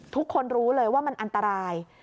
ทุกคนรู้เลยว่ามันอันตราย